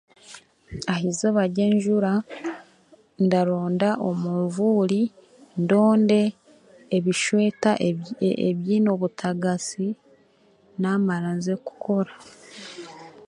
Aha eizooba ry'enjuura ndaronda omunvuuri, ndonde ebisweeta ebyiine obutagasi namara nze kukora.